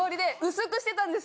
薄くしてたんですよ。